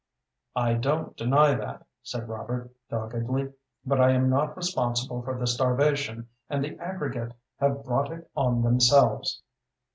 "I don't deny that," said Robert, doggedly, "but I am not responsible for the starvation, and the aggregate have brought it on themselves."